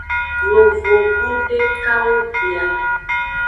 Yovogbu dekawo bia.